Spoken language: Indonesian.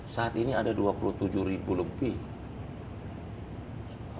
saat ini ada dua puluh tujuh ribu lebih